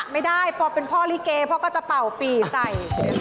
ไม่ได้พอเป็นพ่อลิเกพ่อก็จะเป่าปีใส่